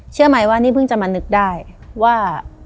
เชื่อไหมว่านี่เพิ่งจะมานึกได้ว่า